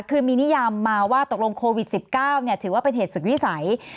คือมีนิยามมาว่าตกลงโควิด๑๙ถือว่าเป็นเหตุสุดวิสัย